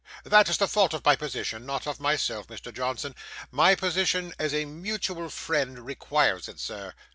That is the fault of my position not of myself, Mr. Johnson. My position as a mutual friend requires it, sir.